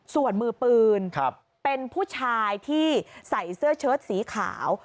ส่วนมือปืนเป็นผู้ชายที่ใส่เสื้อเชิดสีขาว